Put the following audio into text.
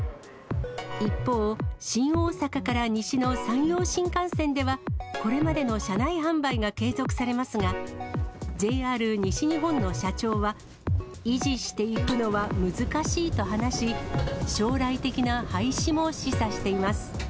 一方、新大阪から西の山陽新幹線では、これまでの車内販売が継続されますが、ＪＲ西日本の社長は、維持していくのは難しいと話し、将来的な廃止も示唆しています。